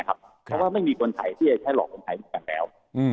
เพราะว่าไม่มีคนไทยที่จะใช้หลอกคนไทยเหมือนกันแล้ว